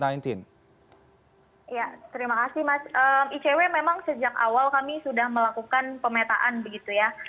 ya terima kasih mas icw memang sejak awal kami sudah melakukan pemetaan begitu ya